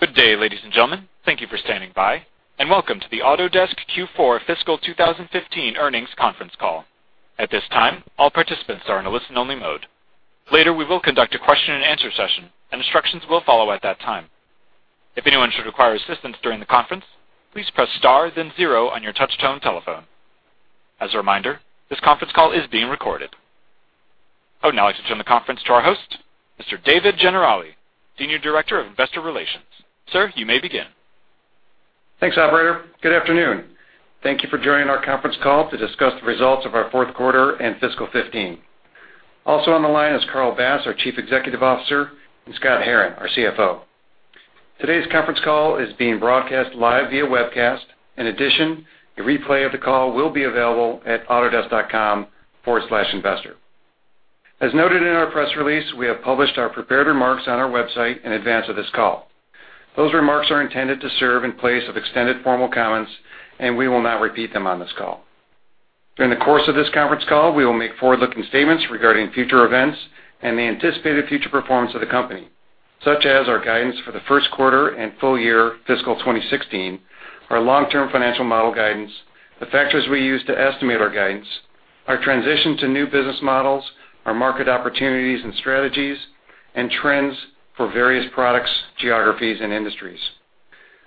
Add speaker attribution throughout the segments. Speaker 1: Good day, ladies and gentlemen. Thank you for standing by, and welcome to the Autodesk Q4 Fiscal 2015 Earnings Conference Call. At this time, all participants are in a listen-only mode. Later, we will conduct a question and answer session, and instructions will follow at that time. If anyone should require assistance during the conference, please press star then zero on your touch-tone telephone. As a reminder, this conference call is being recorded. I would now like to turn the conference to our host, Mr. David Gennarelli, Senior Director of Investor Relations. Sir, you may begin.
Speaker 2: Thanks, operator. Good afternoon. Thank you for joining our conference call to discuss the results of our fourth quarter and fiscal 2015. Also on the line is Carl Bass, our Chief Executive Officer, and Scott Herren, our CFO. Today's conference call is being broadcast live via webcast. In addition, a replay of the call will be available at autodesk.com/investor. As noted in our press release, we have published our prepared remarks on our website in advance of this call. We will not repeat them on this call. During the course of this conference call, we will make forward-looking statements regarding future events and the anticipated future performance of the company, such as our guidance for the first quarter and full year fiscal 2016, our long-term financial model guidance, the factors we use to estimate our guidance, our transition to new business models, our market opportunities and strategies, and trends for various products, geographies, and industries.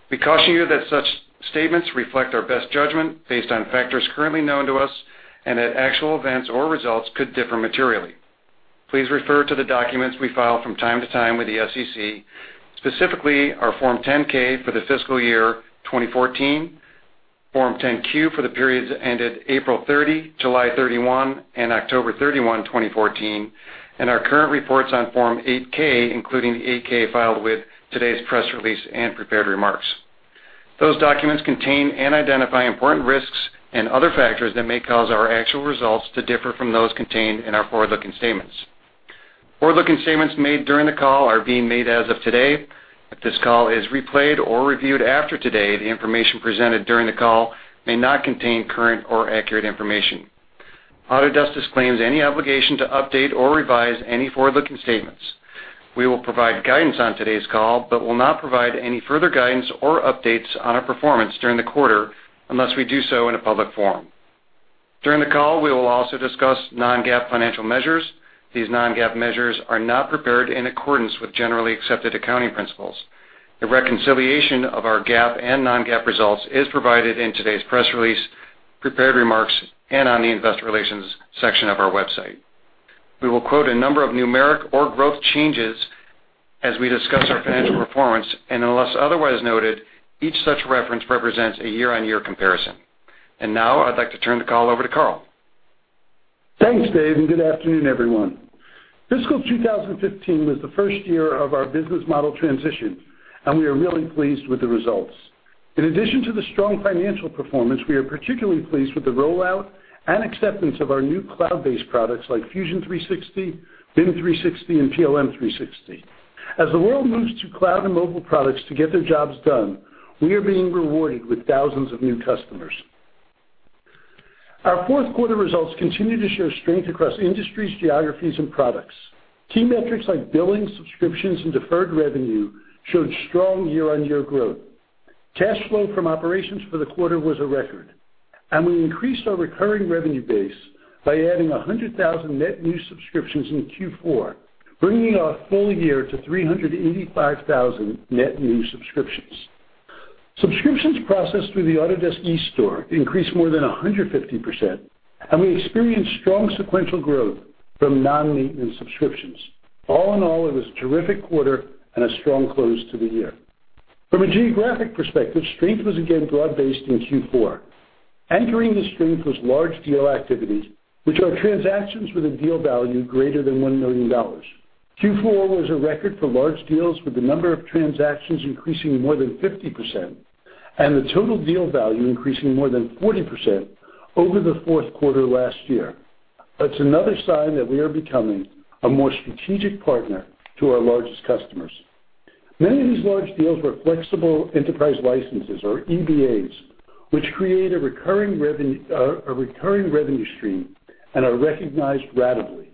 Speaker 2: We caution you that such statements reflect our best judgment based on factors currently known to us, and that actual events or results could differ materially. Please refer to the documents we file from time to time with the SEC, specifically our Form 10-K for the fiscal year 2014, Form 10-Q for the periods that ended April 30, July 31, and October 31, 2014, and our current reports on Form 8-K, including the 8-K filed with today's press release and prepared remarks. Those documents contain and identify important risks and other factors that may cause our actual results to differ from those contained in our forward-looking statements. Forward-looking statements made during the call are being made as of today. If this call is replayed or reviewed after today, the information presented during the call may not contain current or accurate information. Autodesk disclaims any obligation to update or revise any forward-looking statements. We will provide guidance on today's call but will not provide any further guidance or updates on our performance during the quarter unless we do so in a public forum. During the call, we will also discuss non-GAAP financial measures. These non-GAAP measures are not prepared in accordance with generally accepted accounting principles. A reconciliation of our GAAP and non-GAAP results is provided in today's press release, prepared remarks, and on the investor relations section of our website. We will quote a number of numeric or growth changes as we discuss our financial performance, and unless otherwise noted, each such reference represents a year-on-year comparison. Now I'd like to turn the call over to Carl.
Speaker 3: Thanks, Dave, and good afternoon, everyone. Fiscal 2015 was the first year of our business model transition, and we are really pleased with the results. In addition to the strong financial performance, we are particularly pleased with the rollout and acceptance of our new cloud-based products like Fusion 360, BIM 360, and PLM 360. As the world moves to cloud and mobile products to get their jobs done, we are being rewarded with thousands of new customers. Our fourth quarter results continue to show strength across industries, geographies, and products. Key metrics like billing, subscriptions, and deferred revenue showed strong year-on-year growth. Cash flow from operations for the quarter was a record, and we increased our recurring revenue base by adding 100,000 net new subscriptions in Q4, bringing our full year to 385,000 net new subscriptions. Subscriptions processed through the Autodesk eStore increased more than 150%, and we experienced strong sequential growth from non-maintenance subscriptions. All in all, it was a terrific quarter and a strong close to the year. From a geographic perspective, strength was again broad-based in Q4. Anchoring the strength was large deal activities, which are transactions with a deal value greater than $1 million. Q4 was a record for large deals, with the number of transactions increasing more than 50% and the total deal value increasing more than 40% over the fourth quarter last year. That's another sign that we are becoming a more strategic partner to our largest customers. Many of these large deals were flexible enterprise licenses or EBAs, which create a recurring revenue stream and are recognized ratably.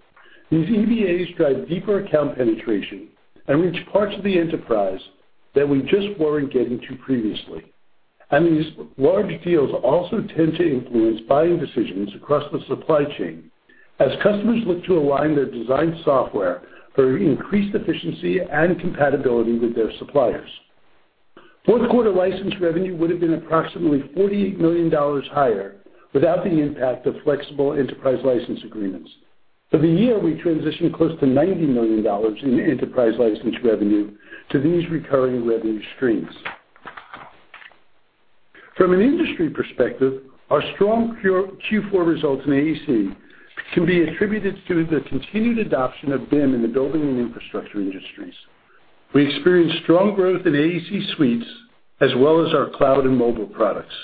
Speaker 3: These EBAs drive deeper account penetration and reach parts of the enterprise that we just weren't getting to previously. These large deals also tend to influence buying decisions across the supply chain as customers look to align their design software for increased efficiency and compatibility with their suppliers. Fourth quarter license revenue would've been approximately $48 million higher without the impact of flexible enterprise license agreements. For the year, we transitioned close to $90 million in enterprise license revenue to these recurring revenue streams. From an industry perspective, our strong Q4 results in AEC can be attributed to the continued adoption of BIM in the building and infrastructure industries. We experienced strong growth in AEC suites as well as our cloud and mobile products.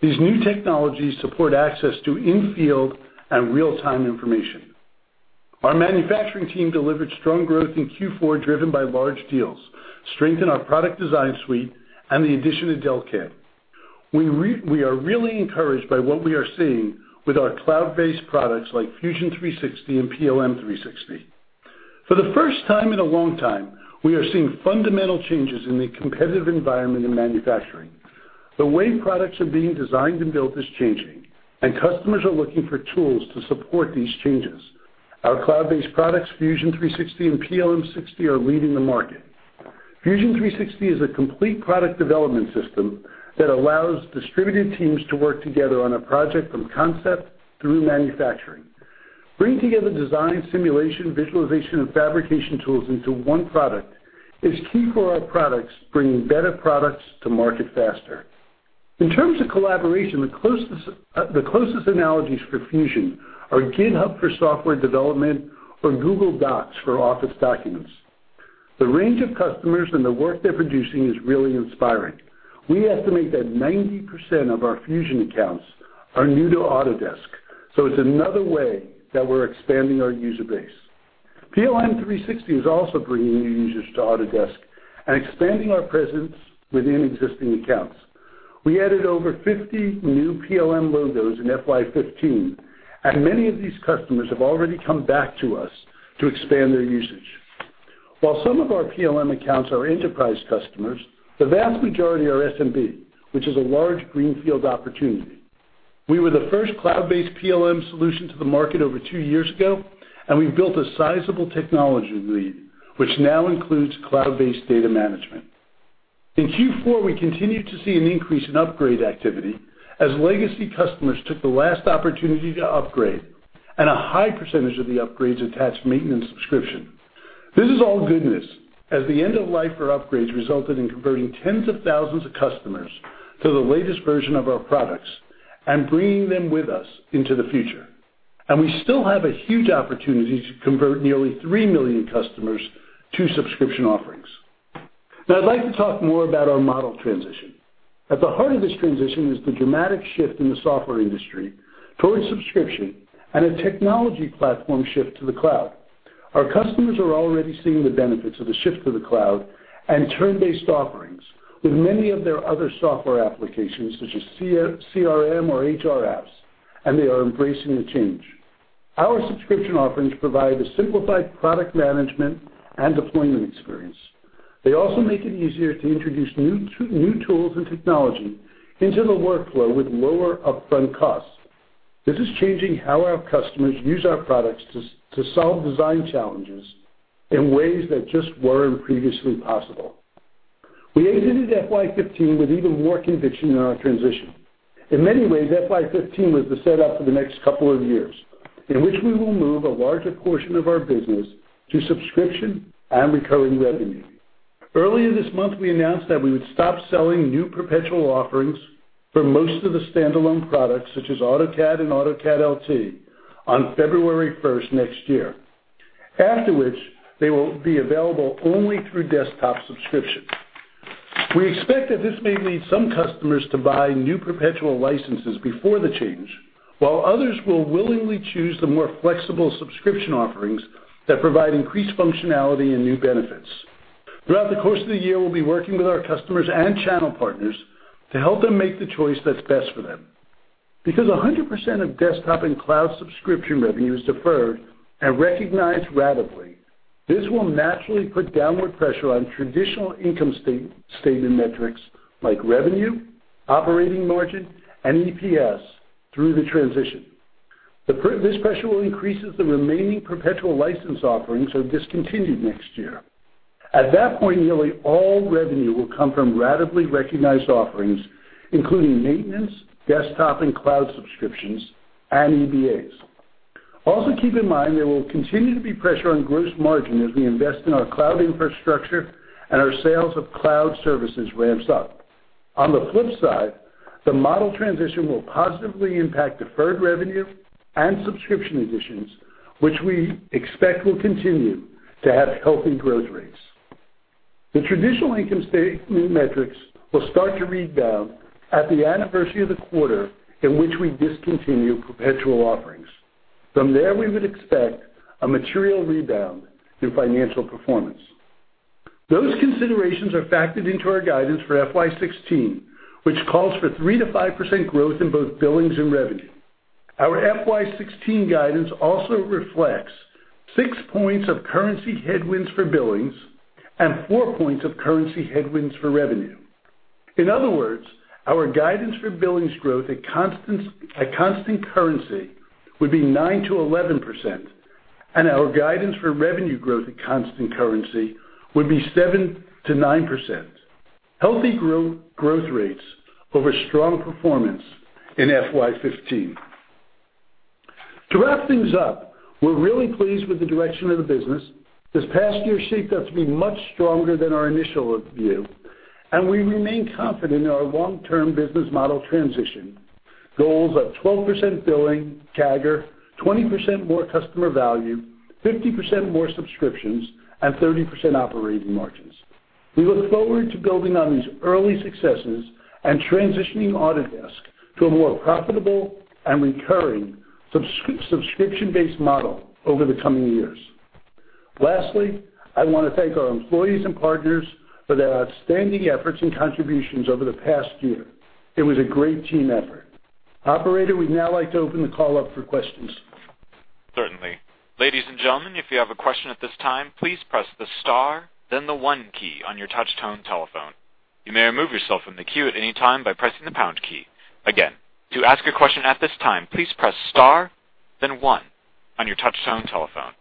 Speaker 3: These new technologies support access to in-field and real-time information. Our manufacturing team delivered strong growth in Q4, driven by large deals, strength in our product design suite, and the addition of Delcam. We are really encouraged by what we are seeing with our cloud-based products like Fusion 360 and PLM 360. For the first time in a long time, we are seeing fundamental changes in the competitive environment in manufacturing. The way products are being designed and built is changing, and customers are looking for tools to support these changes. Our cloud-based products, Fusion 360 and PLM 360, are leading the market. Fusion 360 is a complete product development system that allows distributed teams to work together on a project from concept through manufacturing. Bringing together design, simulation, visualization, and fabrication tools into one product is key for our products, bringing better products to market faster. In terms of collaboration, the closest analogies for Fusion are GitHub for software development or Google Docs for office documents. The range of customers and the work they're producing is really inspiring. We estimate that 90% of our Fusion accounts are new to Autodesk. It's another way that we're expanding our user base. PLM 360 is also bringing new users to Autodesk and expanding our presence within existing accounts. We added over 50 new PLM logos in FY 2015, and many of these customers have already come back to us to expand their usage. While some of our PLM accounts are enterprise customers, the vast majority are SMB, which is a large greenfield opportunity. We were the first cloud-based PLM solution to the market over two years ago, and we've built a sizable technology lead, which now includes cloud-based data management. In Q4, we continued to see an increase in upgrade activity as legacy customers took the last opportunity to upgrade, and a high percentage of the upgrades attached maintenance subscription. This is all good news, as the end of life for upgrades resulted in converting tens of thousands of customers to the latest version of our products and bringing them with us into the future. We still have a huge opportunity to convert nearly three million customers to subscription offerings. I'd like to talk more about our model transition. At the heart of this transition is the dramatic shift in the software industry towards subscription and a technology platform shift to the cloud. Our customers are already seeing the benefits of the shift to the cloud and term-based offerings with many of their other software applications, such as CRM or HR apps, and they are embracing the change. Our subscription offerings provide a simplified product management and deployment experience. They also make it easier to introduce new tools and technology into the workflow with lower upfront costs. This is changing how our customers use our products to solve design challenges in ways that just weren't previously possible. We exited FY 2015 with even more conviction in our transition. In many ways, FY 2015 was the setup for the next couple of years, in which we will move a larger portion of our business to subscription and recurring revenue. Earlier this month, we announced that we would stop selling new perpetual offerings for most of the standalone products, such as AutoCAD and AutoCAD LT, on February 1st next year. After which, they will be available only through desktop subscription. We expect that this may lead some customers to buy new perpetual licenses before the change, while others will willingly choose the more flexible subscription offerings that provide increased functionality and new benefits. Throughout the course of the year, we'll be working with our customers and channel partners to help them make the choice that's best for them. Because 100% of desktop and cloud subscription revenue is deferred and recognized ratably, this will naturally put downward pressure on traditional income statement metrics like revenue, operating margin, and EPS through the transition. This pressure will increase as the remaining perpetual license offerings are discontinued next year. At that point, nearly all revenue will come from ratably recognized offerings, including maintenance, desktop and cloud subscriptions, and EBAs. Also keep in mind there will continue to be pressure on gross margin as we invest in our cloud infrastructure and our sales of cloud services ramps up. On the flip side, the model transition will positively impact deferred revenue and subscription additions, which we expect will continue to have healthy growth rates. The traditional income statement metrics will start to rebound at the anniversary of the quarter in which we discontinue perpetual offerings. From there, we would expect a material rebound in financial performance. Those considerations are factored into our guidance for FY 2016, which calls for 3%-5% growth in both billings and revenue. Our FY 2016 guidance also reflects six points of currency headwinds for billings and four points of currency headwinds for revenue. In other words, our guidance for billings growth at constant currency would be 9%-11%, and our guidance for revenue growth at constant currency would be 7%-9%. Healthy growth rates over strong performance in FY 2015. To wrap things up, we're really pleased with the direction of the business. This past year shaped up to be much stronger than our initial view, and we remain confident in our long-term business model transition goals of 12% billing CAGR, 20% more customer value, 50% more subscriptions, and 30% operating margins. We look forward to building on these early successes and transitioning Autodesk to a more profitable and recurring subscription-based model over the coming years. Lastly, I want to thank our employees and partners for their outstanding efforts and contributions over the past year. It was a great team effort. Operator, we'd now like to open the call up for questions.
Speaker 1: Certainly. Ladies and gentlemen, if you have a question at this time, please press the star, then the one key on your touch tone telephone. You may remove yourself from the queue at any time by pressing the pound key. Again, to ask a question at this time, please press star, then one on your touch tone telephone.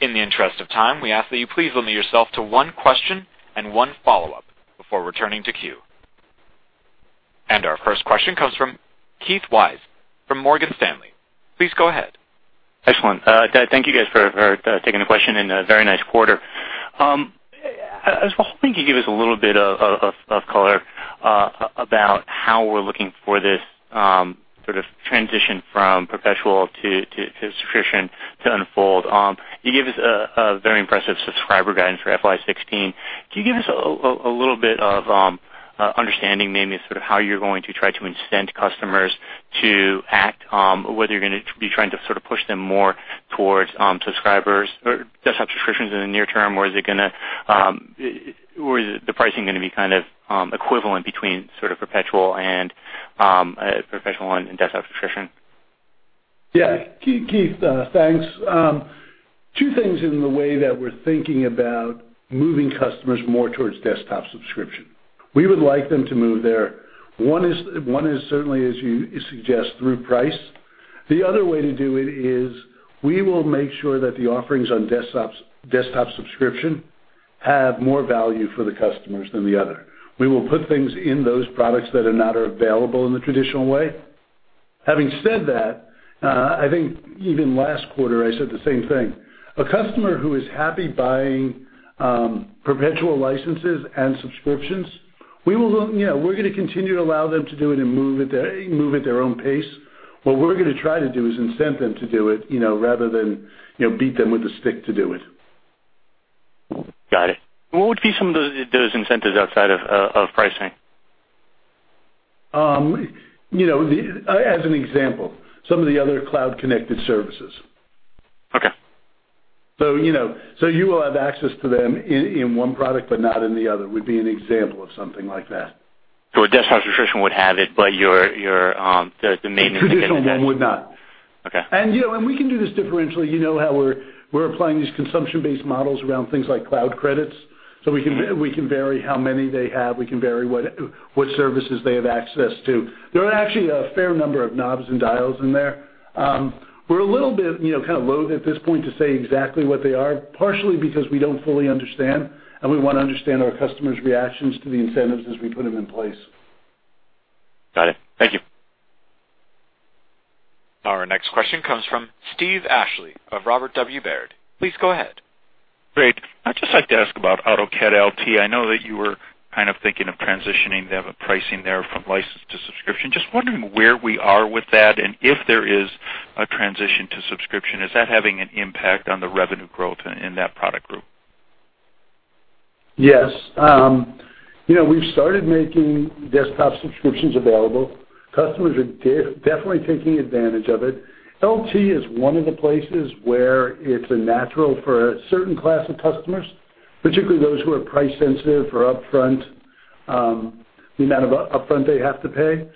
Speaker 1: In the interest of time, we ask that you please limit yourself to one question and one follow-up before returning to queue. Our first question comes from Keith Weiss from Morgan Stanley. Please go ahead.
Speaker 4: Excellent. Thank you guys for taking the question, and very nice quarter. I was hoping you could give us a little bit of color about how we're looking for this sort of transition from perpetual to subscription to unfold. You gave us a very impressive subscriber guidance for FY 2016. Can you give us a little bit of understanding, maybe sort of how you're going to try to incent customers to act? Whether you're going to be trying to push them more towards subscribers or desktop subscriptions in the near term, or is the pricing going to be kind of equivalent between sort of perpetual and desktop subscription?
Speaker 3: Keith, thanks. Two things in the way that we're thinking about moving customers more towards desktop subscription. We would like them to move there. One is certainly, as you suggest, through price. The other way to do it is we will make sure that the offerings on desktop subscription have more value for the customers than the other. We will put things in those products that are not available in the traditional way. Having said that, I think even last quarter, I said the same thing. A customer who is happy buying perpetual licenses and subscriptions, we're going to continue to allow them to do it and move at their own pace. What we're going to try to do is incent them to do it, rather than beat them with a stick to do it.
Speaker 4: Got it. What would be some of those incentives outside of pricing?
Speaker 3: As an example, some of the other cloud-connected services.
Speaker 4: Okay.
Speaker 3: You will have access to them in one product but not in the other, would be an example of something like that.
Speaker 4: A desktop subscription would have it, but the maintenance-
Speaker 3: Traditional one would not.
Speaker 4: Okay.
Speaker 3: We can do this differentially. You know how we're applying these consumption-based models around things like cloud credits. We can vary how many they have. We can vary what services they have access to. There are actually a fair number of knobs and dials in there. We're a little bit kind of loath at this point to say exactly what they are, partially because we don't fully understand, and we want to understand our customers' reactions to the incentives as we put them in place.
Speaker 4: Got it. Thank you.
Speaker 1: Our next question comes from Steve Ashley of Robert W. Baird. Please go ahead.
Speaker 5: Great. I'd just like to ask about AutoCAD LT. I know that you were kind of thinking of transitioning the pricing there from license to subscription. Just wondering where we are with that, and if there is a transition to subscription, is that having an impact on the revenue growth in that product group?
Speaker 3: Yes. We've started making desktop subscriptions available. Customers are definitely taking advantage of it. LT is one of the places where it's a natural for a certain class of customers, particularly those who are price sensitive or the amount of upfront they have to pay.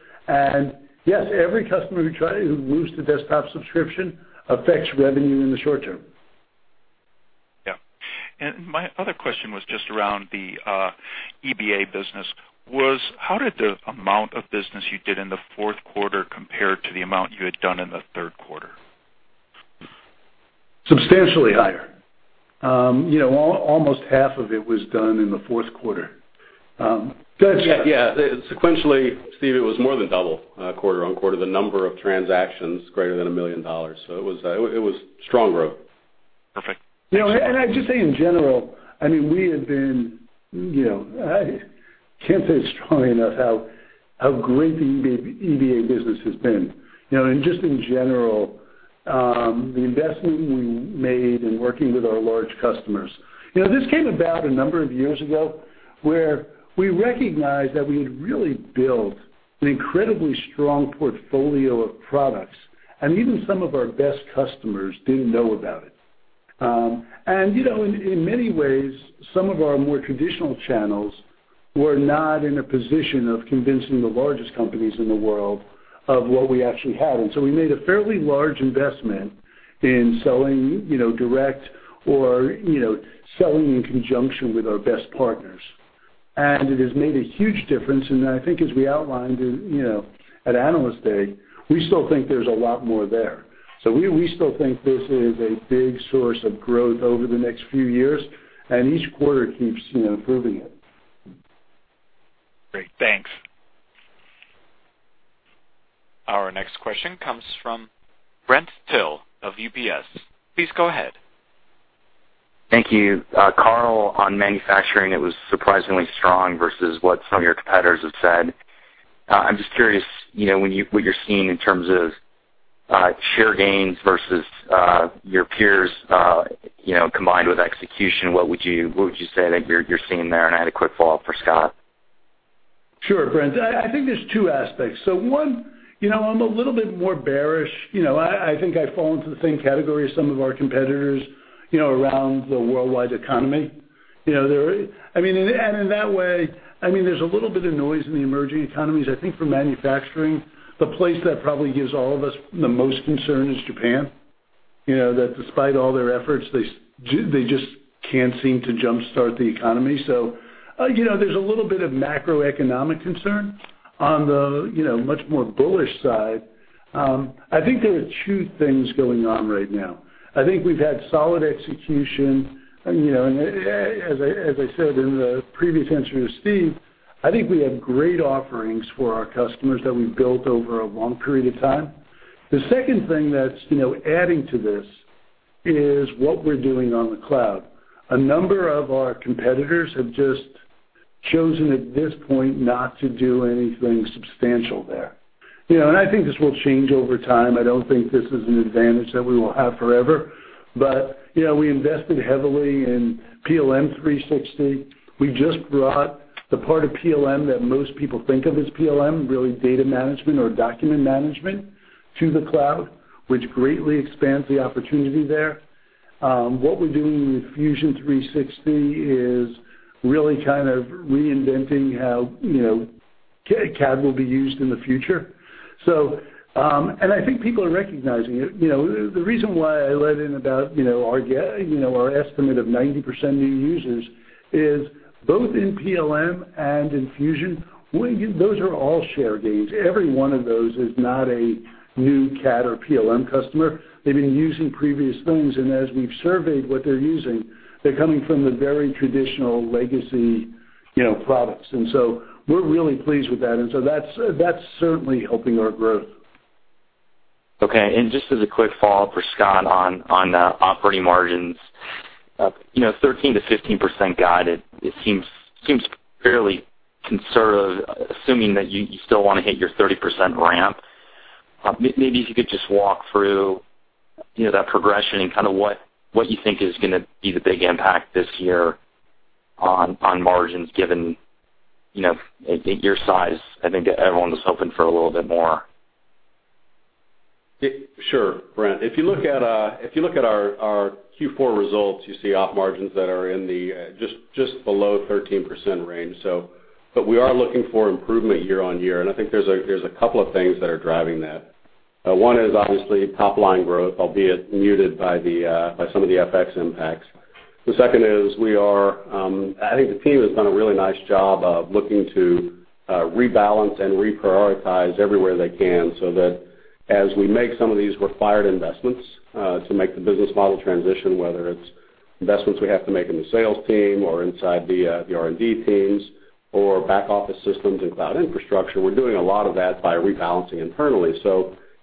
Speaker 3: Yes, every customer who moves to desktop subscription affects revenue in the short term.
Speaker 5: Yeah. My other question was just around the EBA business. How did the amount of business you did in the fourth quarter compare to the amount you had done in the third quarter?
Speaker 3: Substantially higher. Almost half of it was done in the fourth quarter. Go ahead, Scott.
Speaker 6: Yeah. Sequentially, Steve, it was more than double quarter-on-quarter. The number of transactions greater than $1 million. It was strong growth.
Speaker 5: Perfect.
Speaker 3: I'd just say in general, I can't say it strongly enough how great the EBA business has been. Just in general, the investment we made in working with our large customers. This came about a number of years ago, where we recognized that we had really built an incredibly strong portfolio of products, even some of our best customers didn't know about it. In many ways, some of our more traditional channels were not in a position of convincing the largest companies in the world of what we actually had. We made a fairly large investment in selling direct or selling in conjunction with our best partners. It has made a huge difference. I think as we outlined at Analyst Day, we still think there's a lot more there. We still think this is a big source of growth over the next few years, and each quarter keeps proving it.
Speaker 5: Great. Thanks.
Speaker 1: Our next question comes from Brent Thill of UBS. Please go ahead.
Speaker 7: Thank you. Carl, on manufacturing, it was surprisingly strong versus what some of your competitors have said. I'm just curious what you're seeing in terms of share gains versus your peers, combined with execution. What would you say that you're seeing there? I had a quick follow-up for Scott.
Speaker 3: Sure, Brent. One, I'm a little bit more bearish. I think I fall into the same category as some of our competitors, around the worldwide economy. In that way, there's a little bit of noise in the emerging economies. I think for manufacturing, the place that probably gives all of us the most concern is Japan. That despite all their efforts, they just can't seem to jumpstart the economy. There's a little bit of macroeconomic concern. On the much more bullish side, I think there are two things going on right now. I think we've had solid execution, and as I said in the previous answer to Steve, I think we have great offerings for our customers that we've built over a long period of time. The second thing that's adding to this is what we're doing on the cloud. A number of our competitors have just chosen, at this point, not to do anything substantial there. I don't think this is an advantage that we will have forever, but we invested heavily in PLM 360. We just brought the part of PLM that most people think of as PLM, really data management or document management to the cloud, which greatly expands the opportunity there. What we're doing with Fusion 360 is really kind of reinventing how CAD will be used in the future. I think people are recognizing it. The reason why I led in about our estimate of 90% new users is both in PLM and in Fusion, those are all share gains. Every one of those is not a new CAD or PLM customer. They've been using previous things, and as we've surveyed what they're using, they're coming from the very traditional legacy products. We're really pleased with that, and so that's certainly helping our growth.
Speaker 7: Okay, just as a quick follow-up for Scott on operating margins. 13%-15% guided, it seems fairly conservative, assuming that you still want to hit your 30% ramp. If you could just walk through that progression and what you think is going to be the big impact this year on margins given your size. I think everyone was hoping for a little bit more.
Speaker 6: Sure, Brent. If you look at our Q4 results, you see op margins that are in just below 13% range. We are looking for improvement year-over-year, and I think there's a couple of things that are driving that. One is obviously top-line growth, albeit muted by some of the FX impacts. The second is, I think the team has done a really nice job of looking to rebalance and reprioritize everywhere they can, so that as we make some of these required investments to make the business model transition, whether it's investments we have to make in the sales team or inside the R&D teams, or back office systems and cloud infrastructure, we're doing a lot of that by rebalancing internally.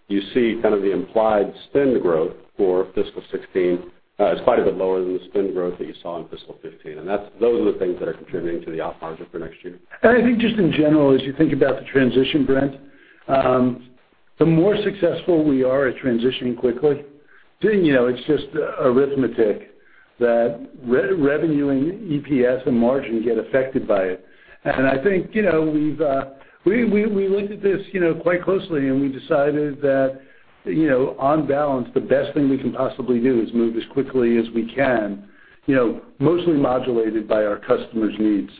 Speaker 6: You see the implied spend growth for fiscal 2016 is quite a bit lower than the spend growth that you saw in fiscal 2015. Those are the things that are contributing to the op margin for next year.
Speaker 3: I think just in general, as you think about the transition, Brent, the more successful we are at transitioning quickly, then it's just arithmetic that revenue and EPS and margin get affected by it. I think we looked at this quite closely, and we decided that on balance, the best thing we can possibly do is move as quickly as we can, mostly modulated by our customers' needs.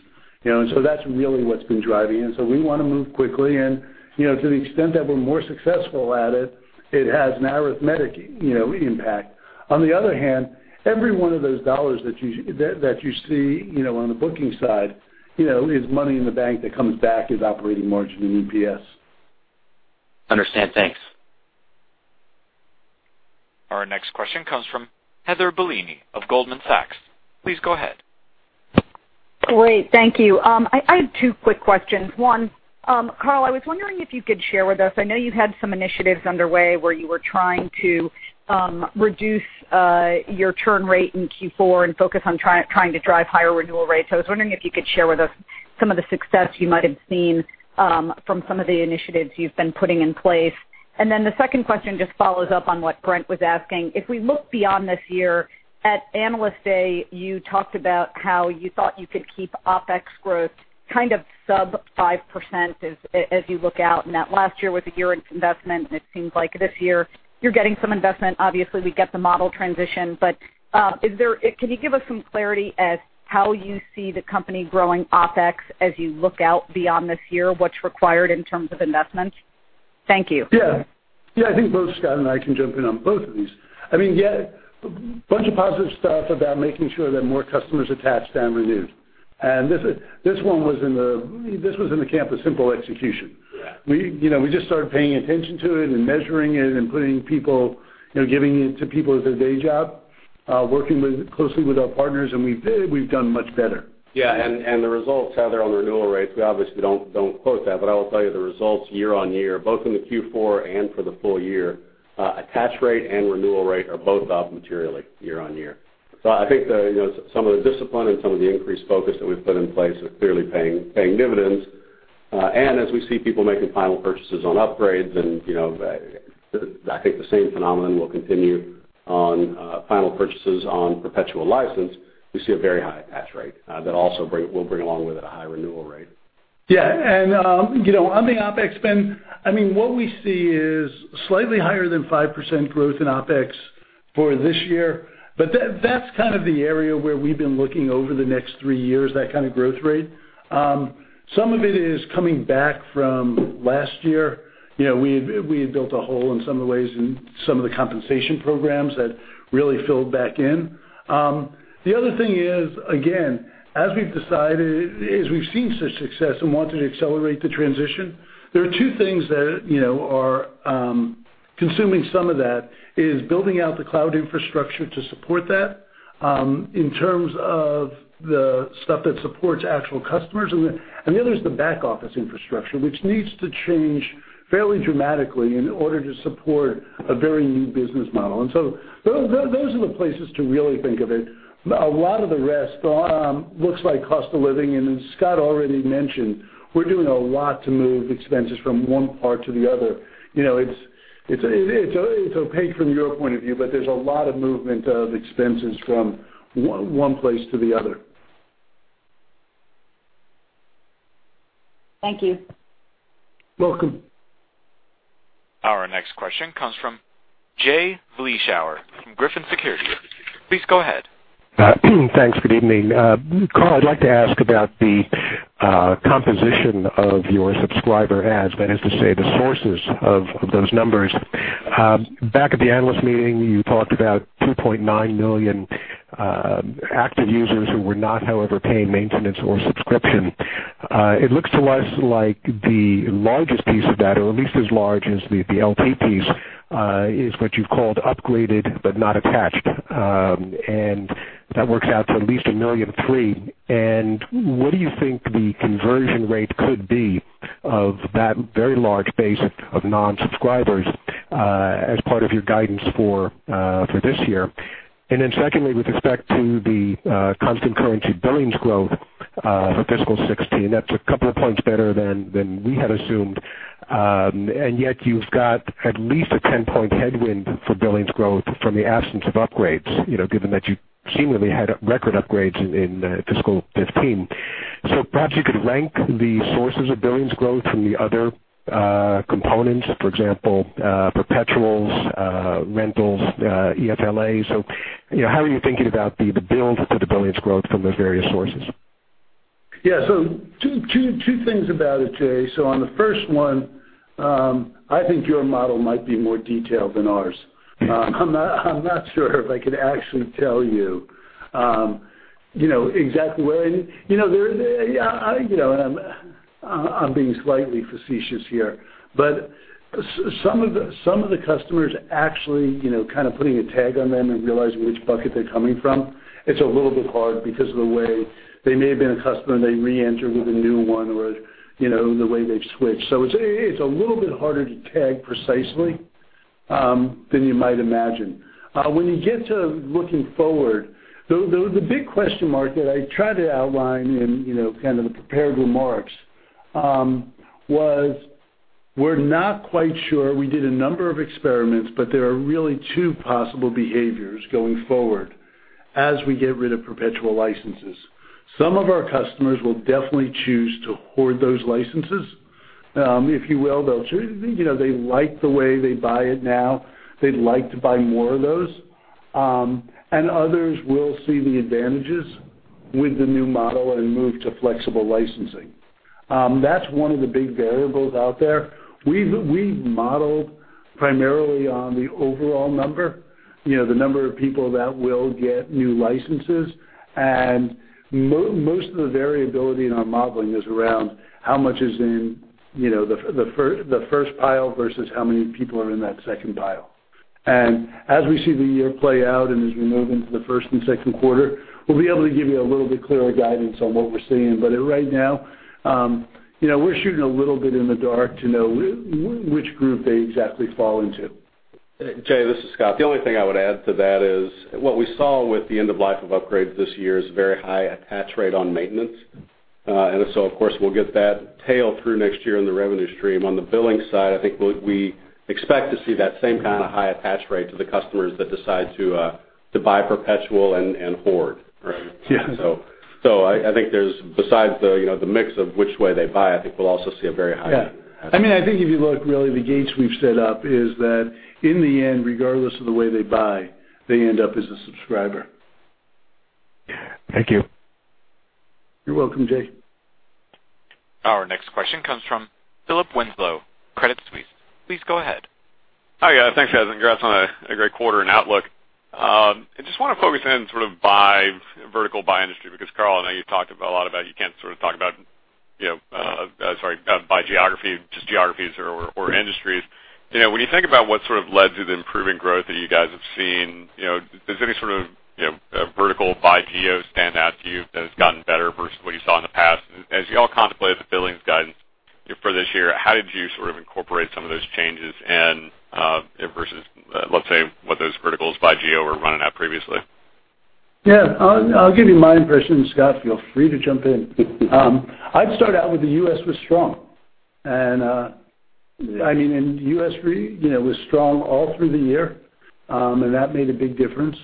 Speaker 3: That's really what's been driving it. We want to move quickly and, to the extent that we're more successful at it has an arithmetic impact. On the other hand, every one of those dollars that you see on the booking side is money in the bank that comes back as operating margin in EPS.
Speaker 7: Understand. Thanks.
Speaker 1: Our next question comes from Heather Bellini of Goldman Sachs. Please go ahead.
Speaker 8: Great. Thank you. I have two quick questions. One, Carl, I was wondering if you could share with us, I know you had some initiatives underway where you were trying to reduce your churn rate in Q4 and focus on trying to drive higher renewal rates. I was wondering if you could share with us some of the success you might have seen from some of the initiatives you've been putting in place. The second question just follows up on what Brent was asking. If we look beyond this year, at Analyst Day, you talked about how you thought you could keep OpEx growth sub 5% as you look out, and that last year was a year in investment, and it seems like this year you're getting some investment. Obviously, we get the model transition, can you give us some clarity as how you see the company growing OpEx as you look out beyond this year? What's required in terms of investments? Thank you.
Speaker 3: Yeah. I think both Scott and I can jump in on both of these. A bunch of positive stuff about making sure that more customers attach than renew. This was in the camp of simple execution.
Speaker 6: Yeah.
Speaker 3: We just started paying attention to it and measuring it and giving it to people as their day job, working closely with our partners, we've done much better.
Speaker 6: Yeah, Heather, on the renewal rates, we obviously don't quote that, but I will tell you the results year-on-year, both in the Q4 and for the full year, attach rate and renewal rate are both up materially year-on-year. I think that some of the discipline and some of the increased focus that we've put in place are clearly paying dividends. As we see people making final purchases on upgrades, I think the same phenomenon will continue on final purchases on perpetual license. We see a very high attach rate that also will bring along with it a high renewal rate.
Speaker 3: Yeah. On the OpEx spend, what we see is slightly higher than 5% growth in OpEx for this year. That's kind of the area where we've been looking over the next three years, that kind of growth rate. Some of it is coming back from last year. We had built a hole in some of the ways, in some of the compensation programs that really filled back in. The other thing is, again, as we've decided, as we've seen such success and wanted to accelerate the transition, there are two things that are consuming some of that, is building out the cloud infrastructure to support that, in terms of the stuff that supports actual customers. The other is the back office infrastructure, which needs to change fairly dramatically in order to support a very new business model. Those are the places to really think of it. A lot of the rest looks like cost of living, and as Scott already mentioned, we're doing a lot to move expenses from one part to the other. It's opaque from your point of view, there's a lot of movement of expenses from one place to the other.
Speaker 8: Thank you.
Speaker 3: Welcome.
Speaker 1: Our next question comes from Jay Vleeschhouwer from Griffin Securities. Please go ahead.
Speaker 9: Thanks. Good evening. Carl, I'd like to ask about the composition of your subscriber adds, that is to say, the sources of those numbers. Back at the analyst meeting, you talked about 2.9 million active users who were not, however, paying maintenance or subscription. It looks to us like the largest piece of that, or at least as large as the LT piece, is what you've called upgraded but not attached. That works out to at least 1.3 million. What do you think the conversion rate could be of that very large base of non-subscribers as part of your guidance for this year? Then secondly, with respect to the constant currency billings growth for fiscal 2016, that's a couple of points better than we had assumed. Yet, you've got at least a 10-point headwind for billings growth from the absence of upgrades, given that you seemingly had record upgrades in fiscal 2015. Perhaps you could rank the sources of billings growth from the other components, for example, perpetuals, rentals, EFLA. How are you thinking about the build to the billings growth from the various sources?
Speaker 3: Two things about it, Jay. On the first one, I think your model might be more detailed than ours. I'm not sure if I could actually tell you exactly where I'm being slightly facetious here, but some of the customers actually, kind of putting a tag on them and realizing which bucket they're coming from, it's a little bit hard because of the way they may have been a customer, and they reenter with a new one, or the way they've switched. It's a little bit harder to tag precisely, than you might imagine. When you get to looking forward, the big question mark that I try to outline in kind of the prepared remarks, was we're not quite sure. We did a number of experiments, but there are really two possible behaviors going forward as we get rid of perpetual licenses. Some of our customers will definitely choose to hoard those licenses. If you will, they like the way they buy it now. They'd like to buy more of those. Others will see the advantages with the new model and move to flexible licensing. That's one of the big variables out there. We've modeled primarily on the overall number, the number of people that will get new licenses. Most of the variability in our modeling is around how much is in the first pile versus how many people are in that second pile. As we see the year play out and as we move into the first and second quarter, we'll be able to give you a little bit clearer guidance on what we're seeing. Right now, we're shooting a little bit in the dark to know which group they exactly fall into.
Speaker 6: Jay, this is Scott. The only thing I would add to that is what we saw with the end-of-life of upgrades this year is a very high attach rate on maintenance. Of course, we'll get that tail through next year in the revenue stream. On the billing side, I think we expect to see that same kind of high attach rate to the customers that decide to buy perpetual and hoard, right?
Speaker 3: Yeah.
Speaker 6: I think besides the mix of which way they buy, I think we'll also see a very high attach rate.
Speaker 3: Yeah. I think if you look, really, the gates we've set up is that in the end, regardless of the way they buy, they end up as a subscriber.
Speaker 9: Thank you.
Speaker 3: You're welcome, Jay.
Speaker 1: Our next question comes from Philip Winslow, Credit Suisse. Please go ahead.
Speaker 10: Hi, guys. Thanks, guys, and congrats on a great quarter and outlook. I just want to focus in sort of by vertical, by industry, because Carl, I know you've talked a lot about you can't sort of talk about, sorry, by geographies or industries. When you think about what sort of led to the improving growth that you guys have seen, does any sort of vertical by geo stand out to you that has gotten better versus what you saw in the past? As you all contemplated the billings guidance for this year, how did you sort of incorporate some of those changes in versus, let's say, what those verticals by geo were running at previously?
Speaker 3: Yeah. I'll give you my impression, and Scott, feel free to jump in. I'd start out with the U.S. was strong. In the U.S., was strong all through the year, and that made a big difference.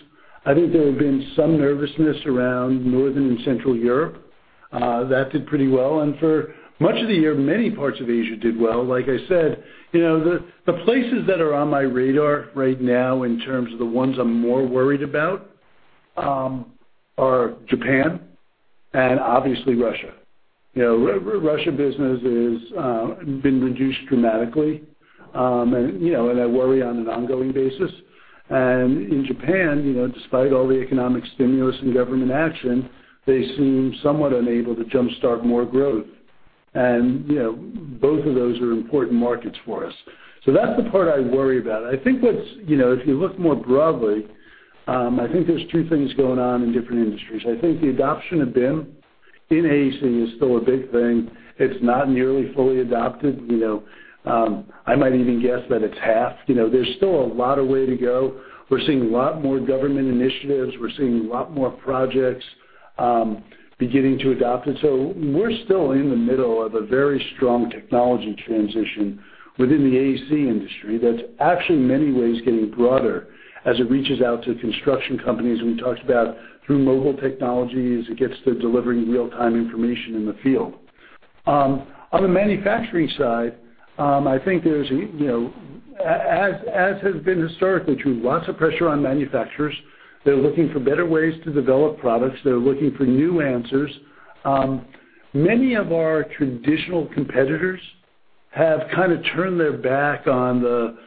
Speaker 3: I think there had been some nervousness around Northern and Central Europe. That did pretty well. For much of the year, many parts of Asia did well. Like I said, the places that are on my radar right now in terms of the ones I'm more worried about, are Japan and obviously Russia. Russia business has been reduced dramatically, and I worry on an ongoing basis. In Japan, despite all the economic stimulus and government action, they seem somewhat unable to jumpstart more growth. Both of those are important markets for us. That's the part I worry about. If you look more broadly, I think there's two things going on in different industries. I think the adoption of BIM in AEC is still a big thing. It's not nearly fully adopted. I might even guess that it's half. There's still a lot of way to go. We're seeing a lot more government initiatives. We're seeing a lot more projects beginning to adopt it. We're still in the middle of a very strong technology transition within the AEC industry that's actually, in many ways, getting broader as it reaches out to construction companies, we talked about through mobile technologies, it gets to delivering real-time information in the field. On the manufacturing side, I think as has been historically true, lots of pressure on manufacturers. They're looking for better ways to develop products. They're looking for new answers. Many of our traditional competitors have kind of turned their back on the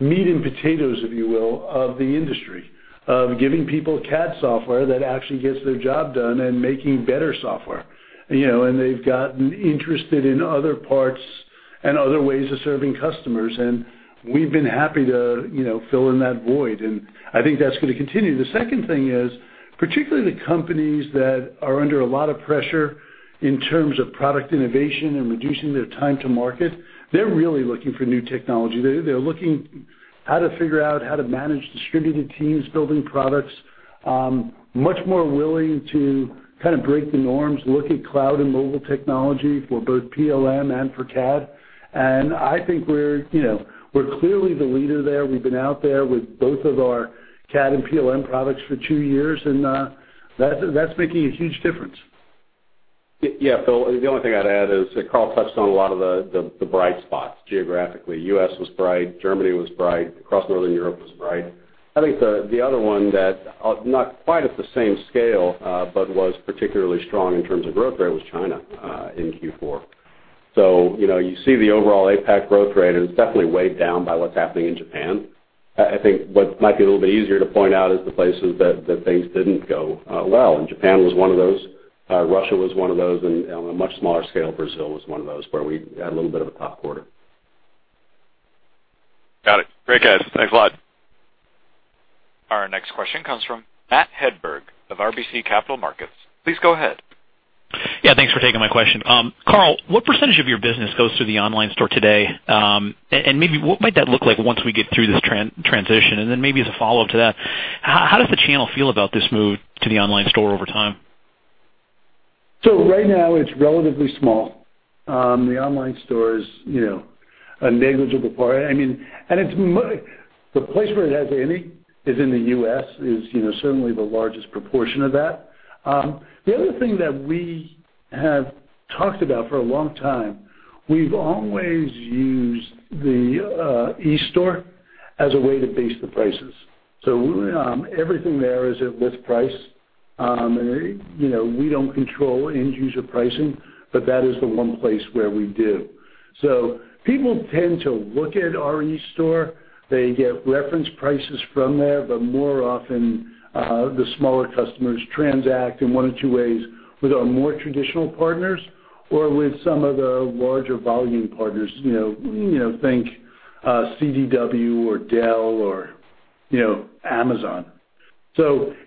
Speaker 3: meat and potatoes, if you will, of the industry, of giving people CAD software that actually gets their job done and making better software. They've gotten interested in other parts and other ways of serving customers, and we've been happy to fill in that void. I think that's going to continue. The second thing is, particularly the companies that are under a lot of pressure in terms of product innovation and reducing their time to market, they're really looking for new technology. They're looking how to figure out how to manage distributed teams, building products. Much more willing to kind of break the norms, look at cloud and mobile technology for both PLM and for CAD. I think we're clearly the leader there. We've been out there with both of our CAD and PLM products for two years, that's making a huge difference.
Speaker 6: Yeah. Phil, the only thing I'd add is that Carl touched on a lot of the bright spots geographically. U.S. was bright, Germany was bright, across Northern Europe was bright. I think the other one that, not quite at the same scale, but was particularly strong in terms of growth rate was China, in Q4. You see the overall APAC growth rate, it's definitely weighed down by what's happening in Japan. I think what might be a little bit easier to point out is the places that things didn't go well. Japan was one of those, Russia was one of those, on a much smaller scale, Brazil was one of those where we had a little bit of a tough quarter.
Speaker 10: Got it. Great, guys. Thanks a lot.
Speaker 1: Our next question comes from Matthew Hedberg of RBC Capital Markets. Please go ahead.
Speaker 11: Thanks for taking my question. Carl, what % of your business goes through the eStore today? Maybe what might that look like once we get through this transition? Maybe as a follow-up to that, how does the channel feel about this move to the eStore over time?
Speaker 3: Right now, it's relatively small. The eStore is a negligible part. The place where it has any is in the U.S., is certainly the largest proportion of that. The other thing that we have talked about for a long time, we've always used the eStore as a way to base the prices. Everything there is at list price. We don't control end user pricing, but that is the one place where we do. People tend to look at our eStore. They get reference prices from there, but more often, the smaller customers transact in one of two ways with our more traditional partners or with some of the larger volume partners, think CDW or Dell or Amazon.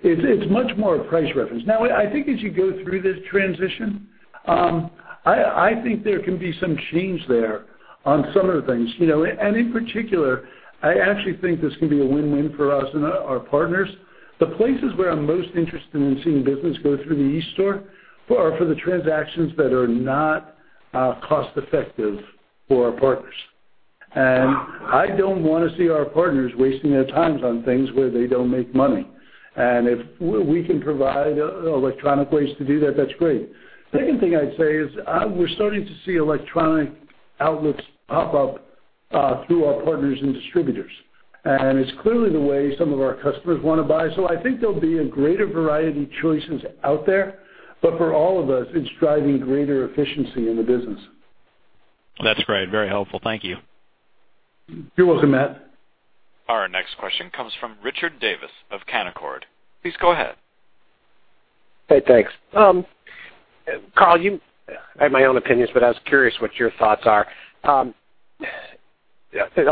Speaker 3: It's much more a price reference. I think as you go through this transition, I think there can be some change there on some of the things. In particular, I actually think this can be a win-win for us and our partners. The places where I'm most interested in seeing business go through the eStore are for the transactions that are not cost effective for our partners. I don't want to see our partners wasting their times on things where they don't make money. If we can provide electronic ways to do that's great. The second thing I'd say is we're starting to see electronic outlets pop up through our partners and distributors, and it's clearly the way some of our customers want to buy. I think there'll be a greater variety of choices out there. For all of us, it's driving greater efficiency in the business.
Speaker 11: That's great. Very helpful. Thank you.
Speaker 3: You're welcome, Matt.
Speaker 1: Our next question comes from Richard Davis of Canaccord. Please go ahead.
Speaker 12: Hey, thanks. Carl, I have my own opinions, but I was curious what your thoughts are. A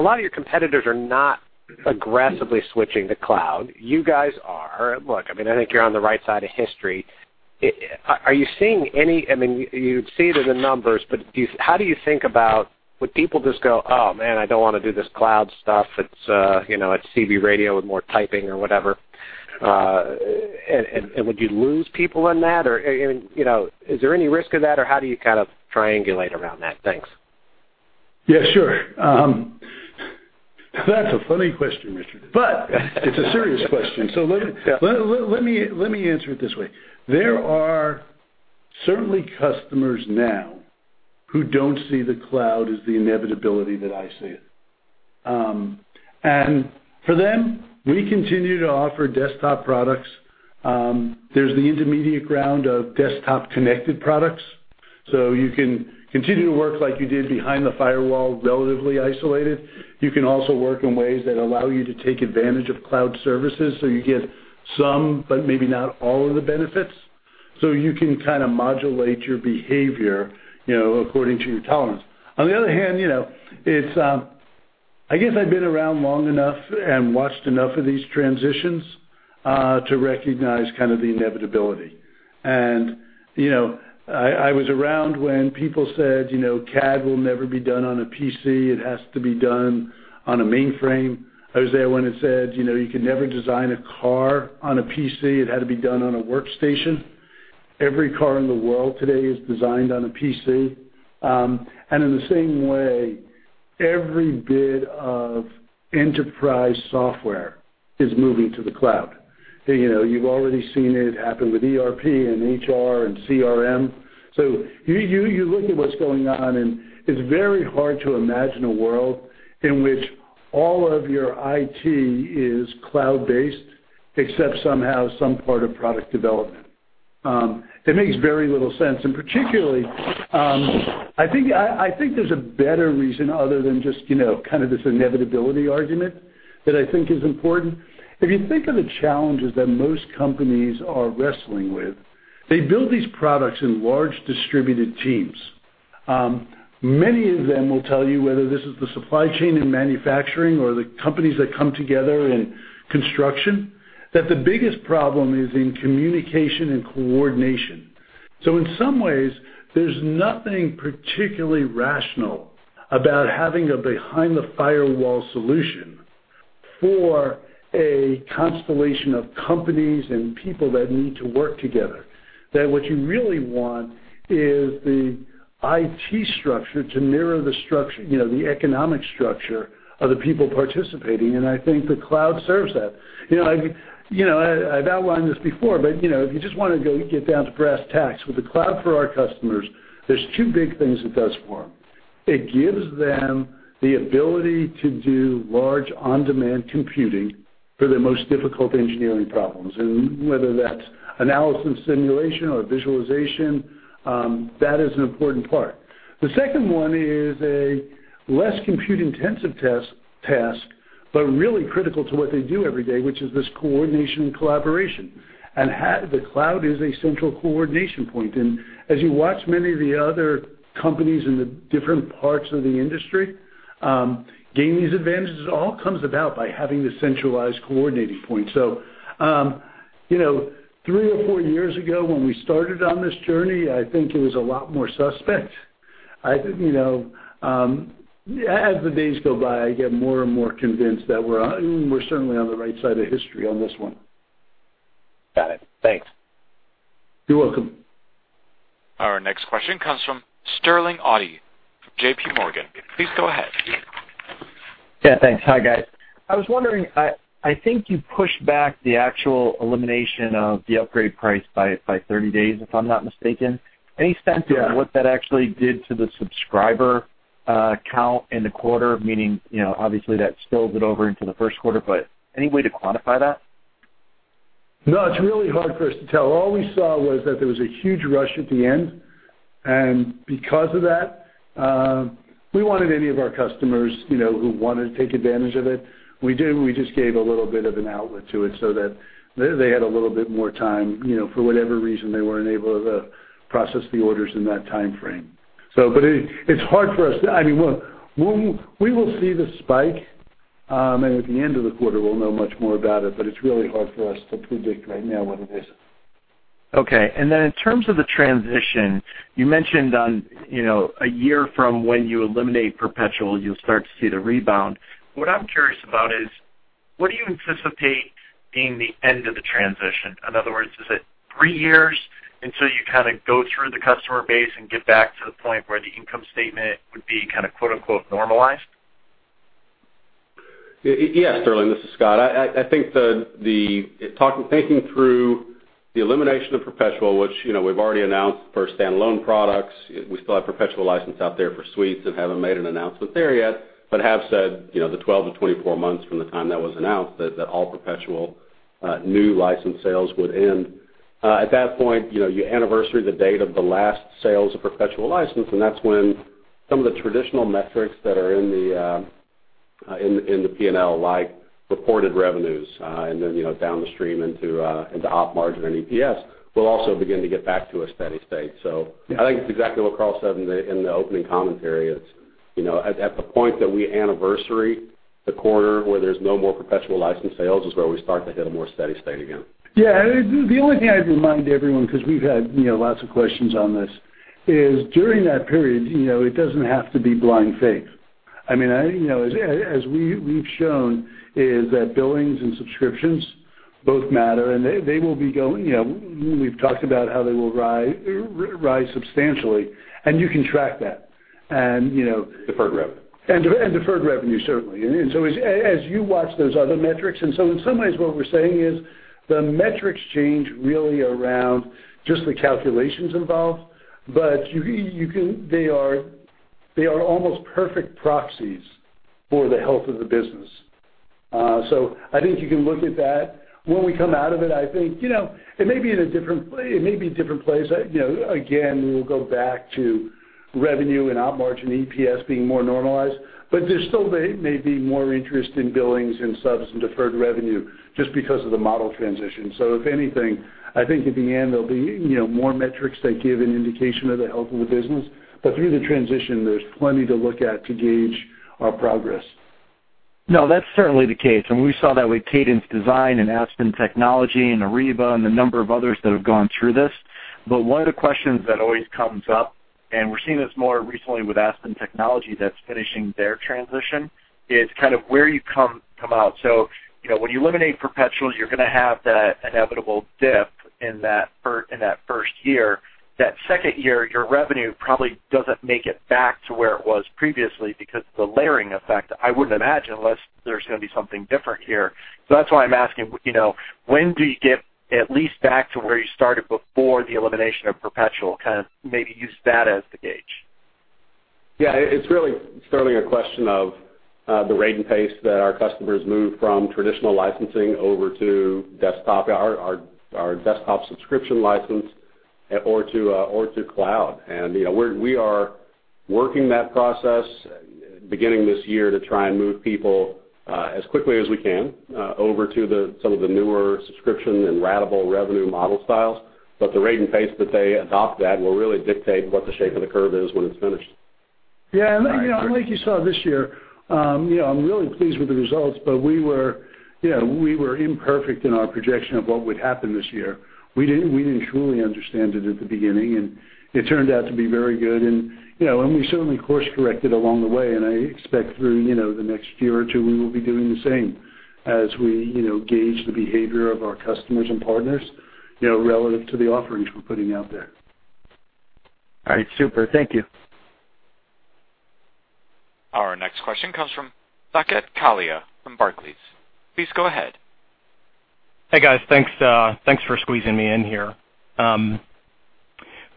Speaker 12: lot of your competitors are not aggressively switching to cloud. You guys are. Look, I think you're on the right side of history. You see it in the numbers, but how do you think about would people just go, "Oh, man, I don't want to do this cloud stuff. It's CB radio with more typing or whatever. Would you lose people on that? Is there any risk of that or how do you kind of triangulate around that? Thanks.
Speaker 3: Yeah, sure. That's a funny question, Richard. It's a serious question, so let me answer it this way. There are certainly customers now who don't see the cloud as the inevitability that I see it. For them, we continue to offer desktop products. There's the intermediate ground of desktop-connected products, so you can continue to work like you did behind the firewall, relatively isolated. You can also work in ways that allow you to take advantage of cloud services so you get some, but maybe not all of the benefits. You can kind of modulate your behavior according to your tolerance. On the other hand, I guess I've been around long enough and watched enough of these transitions to recognize the inevitability. I was around when people said, "CAD will never be done on a PC. It has to be done on a mainframe." I was there when it said, "You could never design a car on a PC. It had to be done on a workstation." Every car in the world today is designed on a PC. In the same way, every bit of enterprise software is moving to the cloud. You've already seen it happen with ERP and HR and CRM. You look at what's going on, and it's very hard to imagine a world in which all of your IT is cloud-based, except somehow some part of product development. It makes very little sense. Particularly, I think there's a better reason other than just this inevitability argument that I think is important. If you think of the challenges that most companies are wrestling with, they build these products in large distributed teams. Many of them will tell you whether this is the supply chain in manufacturing or the companies that come together in construction, that the biggest problem is in communication and coordination. In some ways, there's nothing particularly rational about having a behind-the-firewall solution for a constellation of companies and people that need to work together. That what you really want is the IT structure to mirror the economic structure of the people participating, and I think the cloud serves that. I've outlined this before, but if you just want to get down to brass tacks with the cloud for our customers, there's two big things it does for them. It gives them the ability to do large on-demand computing for their most difficult engineering problems. Whether that's analysis simulation or visualization, that is an important part. The second one is a less compute-intensive task, but really critical to what they do every day, which is this coordination and collaboration. The cloud is a central coordination point. As you watch many of the other companies in the different parts of the industry gain these advantages, it all comes about by having the centralized coordinating point. Three or four years ago when we started on this journey, I think it was a lot more suspect. As the days go by, I get more and more convinced that we're certainly on the right side of history on this one.
Speaker 12: Got it. Thanks.
Speaker 3: You're welcome.
Speaker 1: Our next question comes from Sterling Auty from J.P. Morgan. Please go ahead.
Speaker 13: Yeah, thanks. Hi, guys. I was wondering, I think you pushed back the actual elimination of the upgrade price by 30 days, if I'm not mistaken. Any sense of-
Speaker 3: Yeah
Speaker 13: what that actually did to the subscriber count in the quarter? Meaning, obviously, that spills it over into the first quarter, any way to quantify that?
Speaker 3: No, it's really hard for us to tell. All we saw was that there was a huge rush at the end, because of that, we wanted any of our customers who want to take advantage of it, we did, we just gave a little bit of an outlet to it so that they had a little bit more time for whatever reason they weren't able to process the orders in that timeframe. We will see the spike, at the end of the quarter, we'll know much more about it's really hard for us to predict right now what it is.
Speaker 13: Okay. In terms of the transition, you mentioned on a year from when you eliminate perpetual, you'll start to see the rebound. What I'm curious about is what do you anticipate being the end of the transition? In other words, is it three years until you kind of go through the customer base and get back to the point where the income statement would be kind of "normalized?
Speaker 6: Yes, Sterling, this is Scott. I think thinking through the elimination of perpetual, which we've already announced for standalone products. We still have perpetual license out there for Suites and haven't made an announcement there yet, but have said, the 12-24 months from the time that was announced that all perpetual new license sales would end. At that point, you anniversary the date of the last sales of perpetual license, and that's when some of the traditional metrics that are in the P&L, like reported revenues, and then down the stream into op margin and EPS, will also begin to get back to a steady state. I think it's exactly what Carl said in the opening commentary. At the point that we anniversary the quarter where there's no more perpetual license sales is where we start to hit a more steady state again.
Speaker 3: Yeah, the only thing I'd remind everyone, because we've had lots of questions on this, is during that period, it doesn't have to be blind faith. As we've shown is that billings and subscriptions both matter, and we've talked about how they will rise substantially, and you can track that.
Speaker 6: Deferred revenue.
Speaker 3: Deferred revenue, certainly. As you watch those other metrics, in some ways, what we're saying is the metrics change really around just the calculations involved. They are almost perfect proxies for the health of the business. I think you can look at that. When we come out of it, I think, it may be in different place. Again, we will go back to revenue and op margin EPS being more normalized, but there still may be more interest in billings and subs and deferred revenue just because of the model transition. If anything, I think in the end, there'll be more metrics that give an indication of the health of the business. Through the transition, there's plenty to look at to gauge our progress.
Speaker 13: No, that's certainly the case, and we saw that with Cadence Design and Aspen Technology and Ariba and a number of others that have gone through this. One of the questions that always comes up, and we're seeing this more recently with Aspen Technology that's finishing their transition, is where you come out. When you eliminate perpetuals, you're going to have that inevitable dip in that first year. That second year, your revenue probably doesn't make it back to where it was previously because of the layering effect, I wouldn't imagine, unless there's going to be something different here. That's why I'm asking, when do you get at least back to where you started before the elimination of perpetual? Maybe use that as the gauge.
Speaker 6: Yeah, it's really certainly a question of the rate and pace that our customers move from traditional licensing over to our desktop subscription license or to cloud. We are working that process, beginning this year, to try and move people, as quickly as we can, over to some of the newer subscription and ratable revenue model styles. The rate and pace that they adopt that will really dictate what the shape of the curve is when it's finished.
Speaker 3: Yeah. I think you saw this year, I'm really pleased with the results, but we were imperfect in our projection of what would happen this year. We didn't truly understand it at the beginning, and it turned out to be very good. We certainly course-corrected along the way, and I expect through the next year or two, we will be doing the same as we gauge the behavior of our customers and partners relative to the offerings we're putting out there.
Speaker 13: All right. Super. Thank you.
Speaker 1: Our next question comes from Saket Kalia from Barclays. Please go ahead.
Speaker 14: Hey, guys. Thanks for squeezing me in here.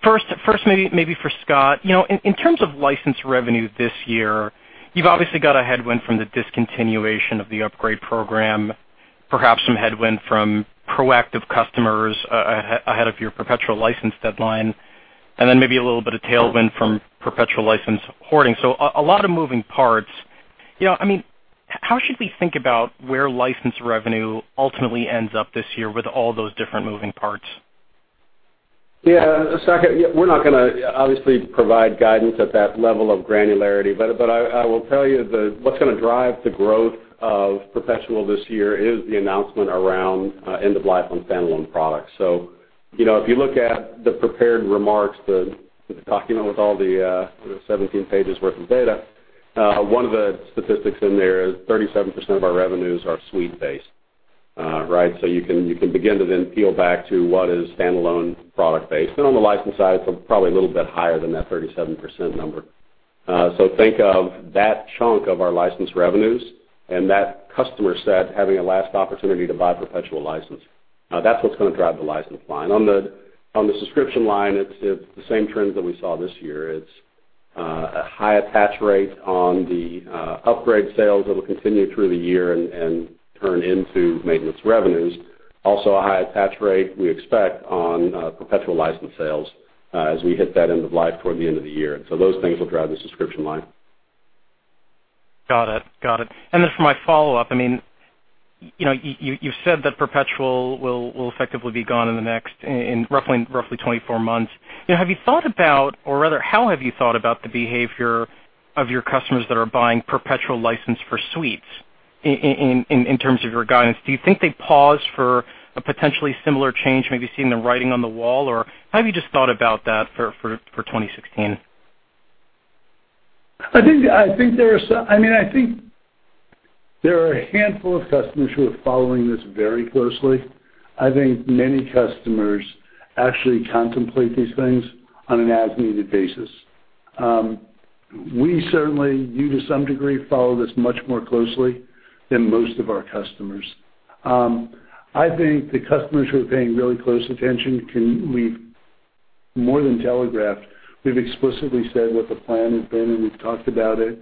Speaker 14: First, maybe for Scott. In terms of license revenue this year, you've obviously got a headwind from the discontinuation of the upgrade program, perhaps some headwind from proactive customers ahead of your perpetual license deadline, and then maybe a little bit of tailwind from perpetual license hoarding. A lot of moving parts. How should we think about where license revenue ultimately ends up this year with all those different moving parts?
Speaker 6: Yeah. Saket, we're not going to, obviously, provide guidance at that level of granularity, but I will tell you what's going to drive the growth of professional this year is the announcement around end-of-life on standalone products. If you look at the prepared remarks, the document with all the 17 pages worth of data, one of the statistics in there is 37% of our revenues are suite-based, right? You can begin to then peel back to what is standalone product-based. On the license side, it's probably a little bit higher than that 37% number. Think of that chunk of our license revenues and that customer set having a last opportunity to buy perpetual license. That's what's going to drive the license line. On the subscription line, it's the same trends that we saw this year. It's a high attach rate on the upgrade sales that will continue through the year and turn into maintenance revenues. Also, a high attach rate, we expect, on perpetual license sales, as we hit that end of life toward the end of the year. Those things will drive the subscription line.
Speaker 14: Got it. For my follow-up, you've said that perpetual will effectively be gone in roughly 24 months. Have you thought about, or rather, how have you thought about the behavior of your customers that are buying perpetual license for suites in terms of your guidance? Do you think they pause for a potentially similar change, maybe seeing the writing on the wall, or how have you just thought about that for 2016?
Speaker 3: I think there are a handful of customers who are following this very closely. I think many customers actually contemplate these things on an as-needed basis. We certainly, you to some degree, follow this much more closely than most of our customers. I think the customers who are paying really close attention, we've more than telegraphed. We've explicitly said what the plan has been, and we've talked about it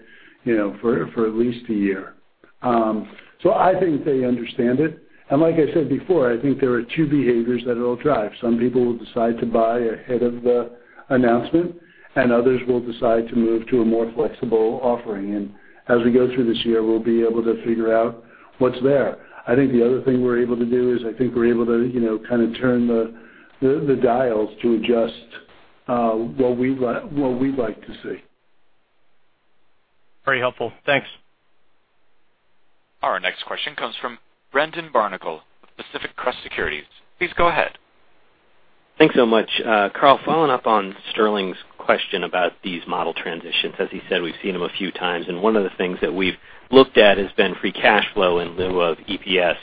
Speaker 3: for at least a year. I think they understand it, and like I said before, I think there are two behaviors that it'll drive. Some people will decide to buy ahead of the announcement, and others will decide to move to a more flexible offering. As we go through this year, we'll be able to figure out what's there. I think the other thing we're able to do is I think we're able to turn the dials to adjust what we'd like to see.
Speaker 14: Very helpful. Thanks.
Speaker 1: Our next question comes from Brendan Barnicle of Pacific Crest Securities. Please go ahead.
Speaker 15: Thanks so much. Carl, following up on Sterling's question about these model transitions. As he said, we've seen them a few times, one of the things that we've looked at has been free cash flow in lieu of EPS.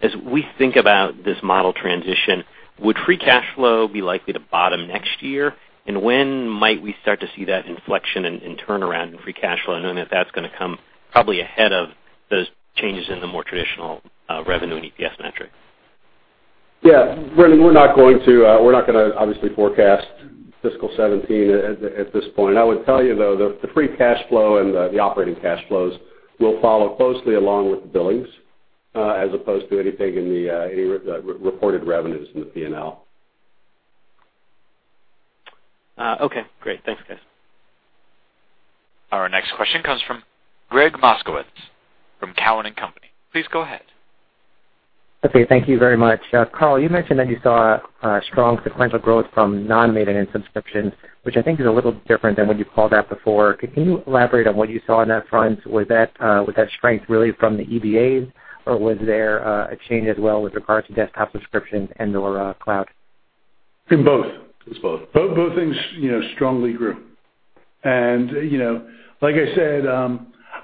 Speaker 15: As we think about this model transition, would free cash flow be likely to bottom next year? When might we start to see that inflection and turnaround in free cash flow? If that's going to come probably ahead of those changes in the more traditional revenue and EPS metric.
Speaker 6: Yeah, Brendan, we're not going to obviously forecast fiscal 2017 at this point. I would tell you, though, the free cash flow and the operating cash flows will follow closely along with the billings as opposed to anything in the reported revenues in the P&L.
Speaker 15: Okay, great. Thanks, guys.
Speaker 1: Our next question comes from Gregg Moskowitz from Cowen and Company. Please go ahead.
Speaker 16: Okay, thank you very much. Carl, you mentioned that you saw strong sequential growth from non-maintenance subscriptions, which I think is a little different than when you've called out before. Can you elaborate on what you saw on that front? Was that strength really from the EBAs, or was there a change as well with regard to desktop subscriptions and/or cloud?
Speaker 3: In both. It's both. Both things strongly grew. Like I said,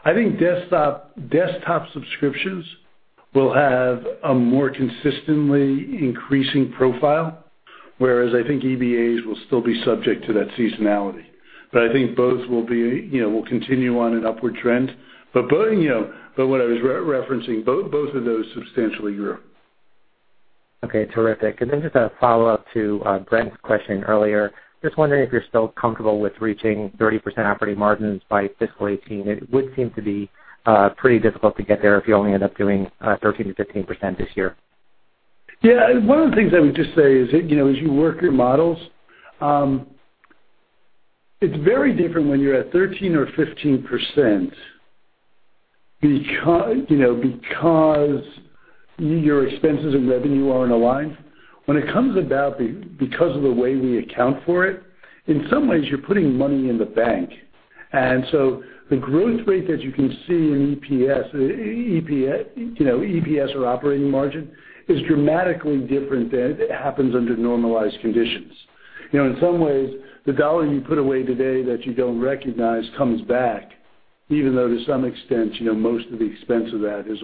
Speaker 3: I think desktop subscriptions will have a more consistently increasing profile, whereas I think EBAs will still be subject to that seasonality. I think both will continue on an upward trend. What I was referencing, both of those substantially grew.
Speaker 16: Okay, terrific. Just a follow-up to Brent's question earlier, just wondering if you're still comfortable with reaching 30% operating margins by fiscal 2018. It would seem to be pretty difficult to get there if you only end up doing 13%-15% this year.
Speaker 6: Yeah. One of the things I would just say is, as you work your models, it's very different when you're at 13% or 15%, because your expenses and revenue aren't aligned. When it comes about, because of the way we account for it, in some ways, you're putting money in the bank. The growth rate that you can see in EPS or operating margin is dramatically different than happens under normalized conditions. In some ways, the dollar you put away today that you don't recognize comes back, even though to some extent, most of the expense of that is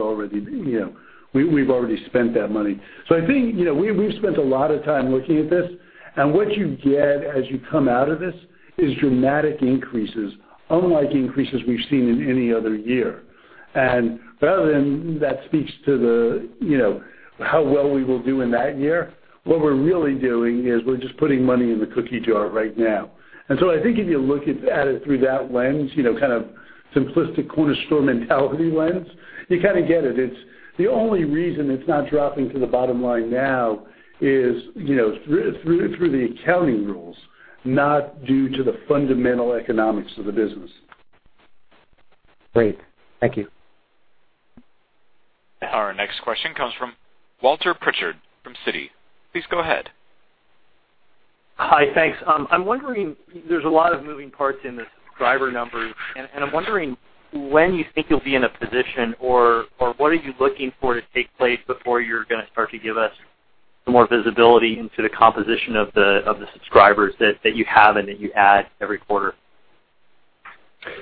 Speaker 6: already spent that money. I think, we've spent a lot of time looking at this, and what you get as you come out of this is dramatic increases, unlike increases we've seen in any other year. Rather than that speaks to how well we will do in that year, what we're really doing is we're just putting money in the cookie jar right now. I think if you look at it through that lens, kind of simplistic corner store mentality lens, you kind of get it. The only reason it's not dropping to the bottom line now is through the accounting rules, not due to the fundamental economics of the business.
Speaker 16: Great. Thank you.
Speaker 1: Our next question comes from Walter Pritchard from Citi. Please go ahead.
Speaker 17: Hi, thanks. I'm wondering, there's a lot of moving parts in the subscriber numbers, and I'm wondering when you think you'll be in a position or what are you looking for to take place before you're going to start to give us some more visibility into the composition of the subscribers that you have and that you add every quarter?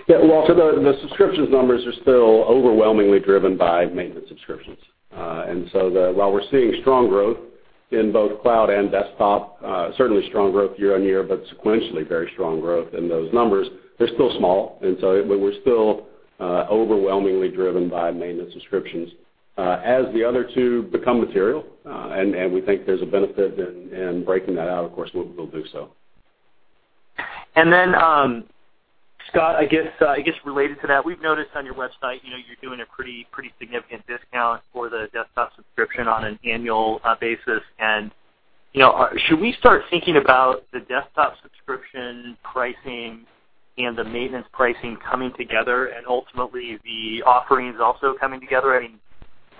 Speaker 6: Yeah, Walter, the subscriptions numbers are still overwhelmingly driven by maintenance subscriptions. While we're seeing strong growth in both cloud and desktop, certainly strong growth year-over-year, but sequentially very strong growth in those numbers, they're still small. We're still overwhelmingly driven by maintenance subscriptions. As the other two become material, and we think there's a benefit in breaking that out, of course we'll do so.
Speaker 17: Scott, I guess related to that, we've noticed on your website you're doing a pretty significant discount for the desktop subscription on an annual basis. Should we start thinking about the desktop subscription pricing and the maintenance pricing coming together and ultimately the offerings also coming together? I mean,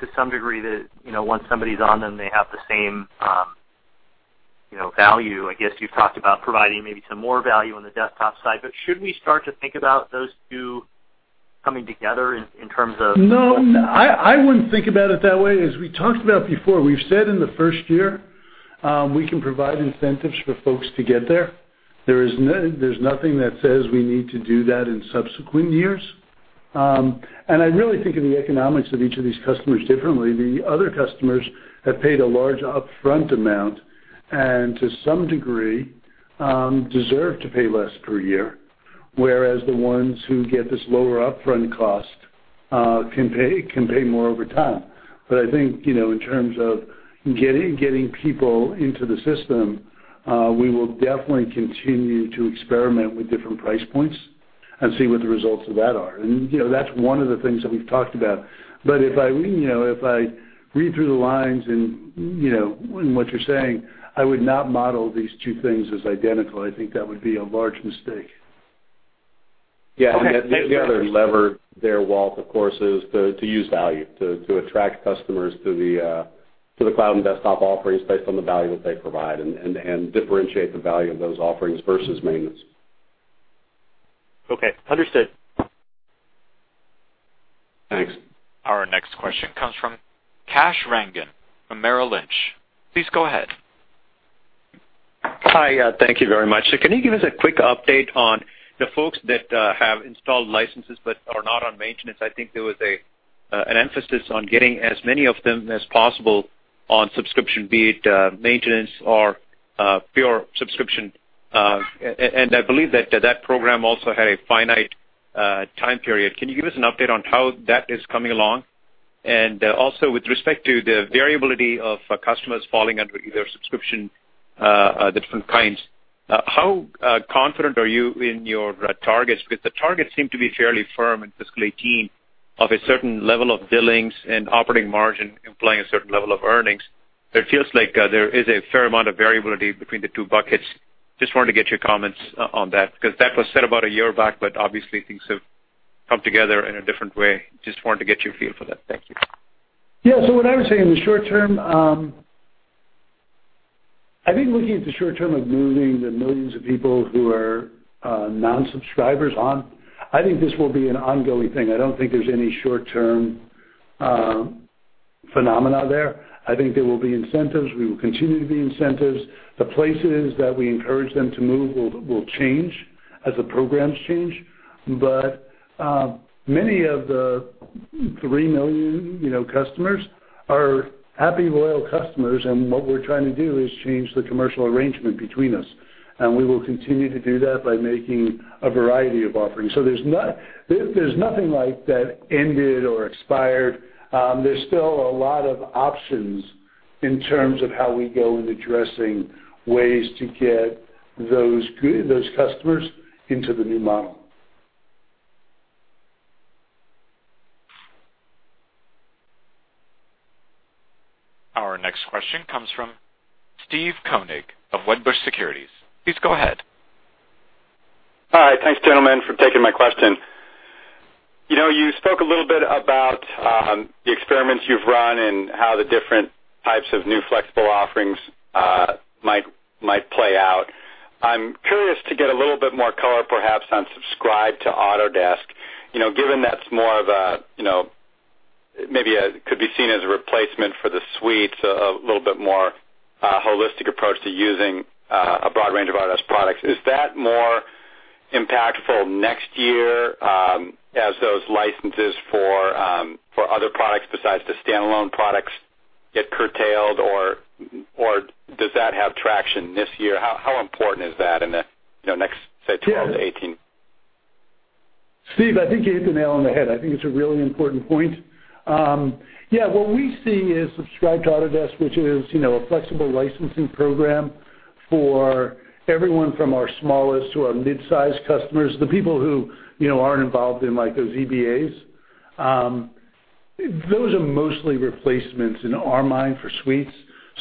Speaker 17: to some degree, once somebody's on them, they have the same value. I guess you've talked about providing maybe some more value on the desktop side, but should we start to think about those two coming together in terms of.
Speaker 6: No, I wouldn't think about it that way. As we talked about before, we've said in the first year, we can provide incentives for folks to get there. There's nothing that says we need to do that in subsequent years. I really think of the economics of each of these customers differently. The other customers have paid a large upfront amount, and to some degree, deserve to pay less per year, whereas the ones who get this lower upfront cost can pay more over time. I think in terms of getting people into the system, we will definitely continue to experiment with different price points and see what the results of that are. That's one of the things that we've talked about. If I read through the lines in what you're saying, I would not model these two things as identical. I think that would be a large mistake. Yeah. The other lever there, Walt, of course, is to use value to attract customers to the cloud and desktop offerings based on the value that they provide and differentiate the value of those offerings versus maintenance.
Speaker 17: Okay. Understood. Thanks.
Speaker 1: Our next question comes from Kash Rangan from Merrill Lynch. Please go ahead.
Speaker 18: Hi. Thank you very much. Can you give us a quick update on the folks that have installed licenses but are not on maintenance? I think there was an emphasis on getting as many of them as possible on subscription, be it maintenance or pure subscription. I believe that that program also had a finite time period. Can you give us an update on how that is coming along? Also with respect to the variability of customers falling under either subscription, the different kinds, how confident are you in your targets? The targets seem to be fairly firm in fiscal 2018 of a certain level of billings and operating margin implying a certain level of earnings. It feels like there is a fair amount of variability between the two buckets. Just wanted to get your comments on that, because that was said about a year back, but obviously things have come together in a different way. Just wanted to get your feel for that. Thank you.
Speaker 3: What I would say in the short term, I think looking at the short term of millions and millions of people who are non-subscribers on, I think this will be an ongoing thing. I don't think there's any short-term phenomena there. I think there will be incentives. There will continue to be incentives. The places that we encourage them to move will change as the programs change. Many of the 3 million customers are happy, loyal customers, and what we're trying to do is change the commercial arrangement between us. We will continue to do that by making a variety of offerings. There's nothing like that ended or expired. There's still a lot of options in terms of how we go in addressing ways to get those customers into the new model.
Speaker 1: Our next question comes from Steve Koenig of Wedbush Securities. Please go ahead.
Speaker 19: Hi. Thanks, gentlemen, for taking my question. You spoke a little bit about the experiments you've run and how the different types of new flexible offerings might play out. I'm curious to get a little bit more color, perhaps, on Subscribe to Autodesk. Given that's more of a, maybe could be seen as a replacement for the suites, a little bit more holistic approach to using a broad range of Autodesk products. Is that more impactful next year as those licenses for other products besides the standalone products get curtailed, or does that have traction this year? How important is that in the next, say, 12-18?
Speaker 3: Steve, I think you hit the nail on the head. I think it's a really important point. What we see is Subscribe to Autodesk, which is a flexible licensing program for everyone from our smallest to our mid-size customers, the people who aren't involved in those EBAs. Those are mostly replacements in our mind for suites.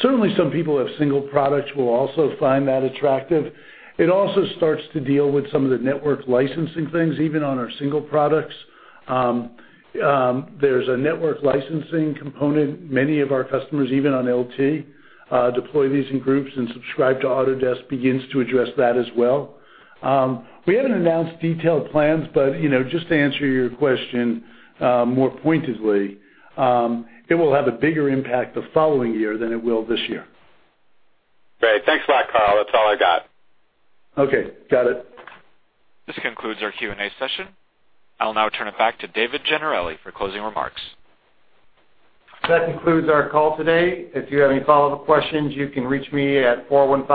Speaker 3: Certainly, some people have single products will also find that attractive. It also starts to deal with some of the network licensing things, even on our single products. There's a network licensing component. Many of our customers, even on LT, deploy these in groups, and Subscribe to Autodesk begins to address that as well. We haven't announced detailed plans, but just to answer your question more pointedly, it will have a bigger impact the following year than it will this year.
Speaker 19: Great. Thanks a lot, Carl. That's all I got.
Speaker 3: Okay, got it.
Speaker 1: This concludes our Q&A session. I'll now turn it back to David Gennarelli for closing remarks.
Speaker 2: That concludes our call today. If you have any follow-up questions, you can reach me at 415-